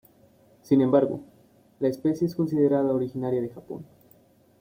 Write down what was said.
Sin embargo, la especie es considerada originaria de Japón.